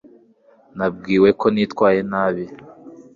nabwiwe ko nitwaye nabi